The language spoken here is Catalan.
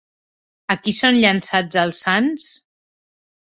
A qui són llançats els sants?